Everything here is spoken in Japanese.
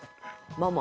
ママ？